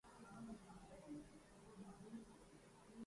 اسے فکر لاحق رہتی ہے کہ میں اپنا الو کیسے سیدھا کروں۔